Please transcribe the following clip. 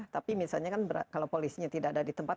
tapi misalnya kan kalau polisinya tidak ada di tempat